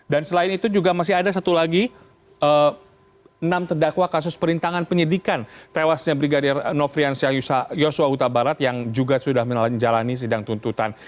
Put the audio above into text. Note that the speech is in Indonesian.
dan selain itu juga masih ada satu lagi enam tedakwa kasus perintangan penyedikan tewasnya brigadir nofrian syah yosua utabarat yang juga sudah menjalani sidang tuntutan